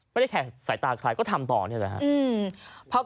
ไม่ได้แคร์ใส่ตาใครก็ทำต่อเนี่ยแหละฮะ